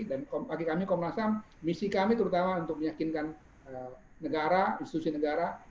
dan pagi kami komnas ham misi kami terutama untuk meyakinkan negara institusi negara